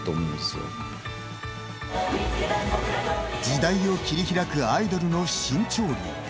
時代を切り開くアイドルの新潮流。